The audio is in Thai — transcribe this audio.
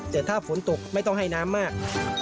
แต่ถ้าฝนตกไม่ต้องให้น้ำมาก